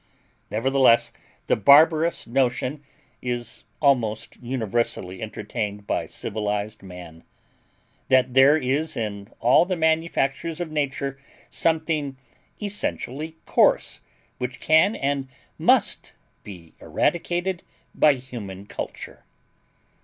Nevertheless, the barbarous notion is almost universally entertained by civilized man, that there is in all the manufactures of Nature something essentially coarse which can and must be eradicated by human culture.